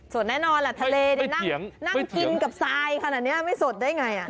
แน่นอนแหละทะเลนั่งกินกับทรายขนาดนี้ไม่สดได้ไง